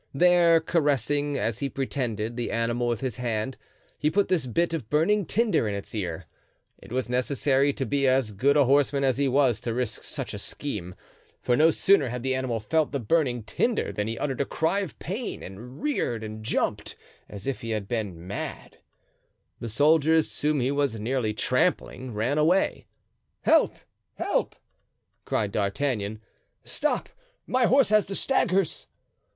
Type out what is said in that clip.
There, caressing as he pretended, the animal with his hand, he put this bit of burning tinder in his ear. It was necessary to be as good a horseman as he was to risk such a scheme, for no sooner had the animal felt the burning tinder than he uttered a cry of pain and reared and jumped as if he had been mad. The soldiers, whom he was nearly trampling, ran away. "Help! help!" cried D'Artagnan; "stop—my horse has the staggers."